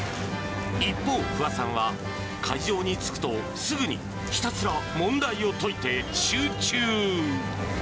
一方、不破さんは会場につくと、すぐにひたすら問題を解いて、集中。